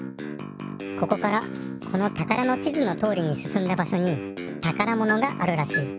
ここからこのたからの地図のとおりにすすんだばしょにたからものがあるらしい。